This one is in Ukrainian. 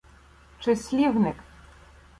Числівник